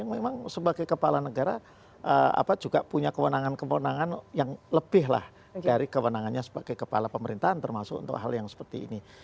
memang sebagai kepala negara juga punya kewenangan kewenangan yang lebih lah dari kewenangannya sebagai kepala pemerintahan termasuk untuk hal yang seperti ini